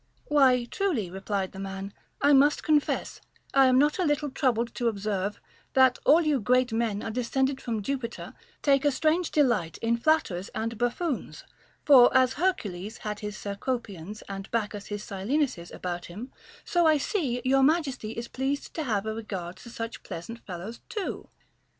Why truly, replied the man, I must confess, I am not a little troubled to observe, that all you great men who are de 126 HOW TO KNOW A FLATTERER scended from Jupiter take a strange delight in flatterers and buffoons ; for as Hercules had his Cercopians and Bacchus his Silenuses about him, so I see your majesty is pleased to have a regard for such pleasant fellows too.